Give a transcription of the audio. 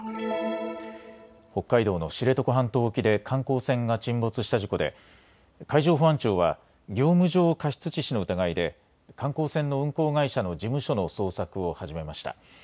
北海道の知床半島沖で観光船が沈没した事故で海上保安庁は業務上過失致死の疑いで観光船の運航会社の事務所の捜索を始めました。